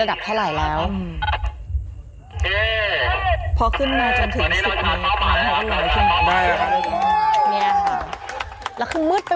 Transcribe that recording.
ระดับไทรไหลแล้วพอขึ้นมาจนถึงสิบนี้แล้วคือมืดไป